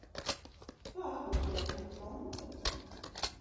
Kā atbloķēt manu kontu?